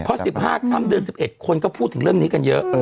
เพราะ๑๕ค่ำเดือน๑๑คนก็พูดถึงเรื่องนี้กันเยอะ